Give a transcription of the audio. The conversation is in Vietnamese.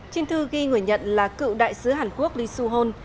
trên thư ghi người nhận là cựu đại sứ hàn quốc lee su hon